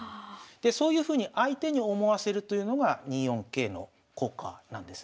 でそういうふうに相手に思わせるというのが２四桂の効果なんですね。